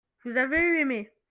vous avez eu aimé.